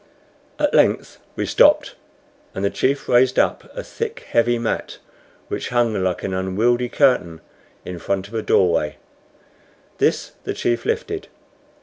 At length we stopped, and the chief raised up a thick, heavy mat which hung like an unwieldly curtain in front of a doorway. This the chief lifted.